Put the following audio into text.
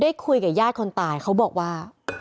คุยกับญาติคนตายเขาบอกว่า